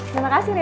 terima kasih rena